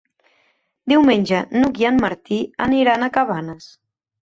Diumenge n'Hug i en Martí aniran a Cabanes.